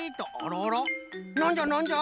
なんじゃなんじゃ？